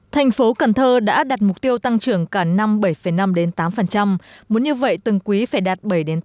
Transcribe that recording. thành phố cần thơ đã đặt mục tiêu tăng trưởng cả năm bảy năm tám muốn như vậy từng quý phải đạt bảy tám